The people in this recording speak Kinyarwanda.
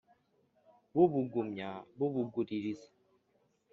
B'ubugumya, b'ubuguririza,